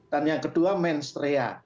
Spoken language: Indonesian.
dan yang kedua menstrua